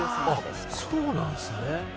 あっそうなんですね。